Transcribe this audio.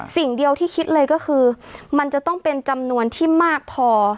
สิ่งเดียวที่คิดเลยก็คือมันจะต้องเป็นจำนวนที่มากพอ